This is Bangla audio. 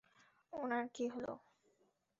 ওনার কী হলো?